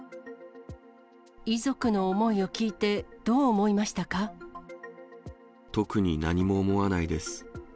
遺族の思いを聞いて、どう思特に何も思わないです。